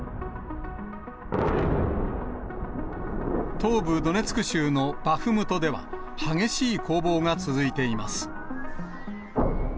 東部ドネツク州のバフムトでは、激しい攻防が続いています。